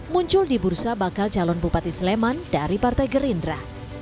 muncul di bursa bakal calon bupati sleman dari partai gerindra